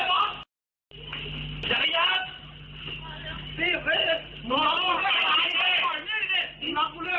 ตอนที่กลุ่มบทนะงถะหะวิวาสชกต่อยกลร